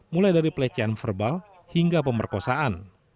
mulai dari pelecehan verbal hingga pemerkosaan